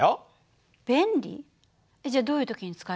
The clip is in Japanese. じゃあどういう時に使えるの？